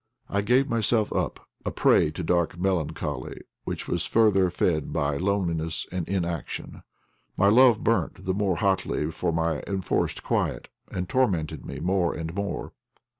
I gave myself up, a prey to dark melancholy, which was further fed by loneliness and inaction. My love burnt the more hotly for my enforced quiet, and tormented me more and more.